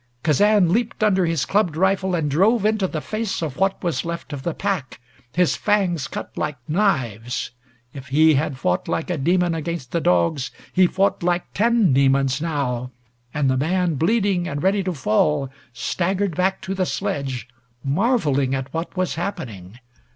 Kazan leaped under his clubbed rifle and drove into the face of what was left of the pack. His fangs cut like knives. If he had fought like a demon against the dogs, he fought like ten demons now, and the man bleeding and ready to fall staggered back to the sledge, marveling at what was happening.